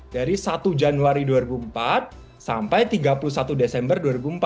dari satu januari dua ribu empat sampai tiga puluh satu desember dua ribu empat belas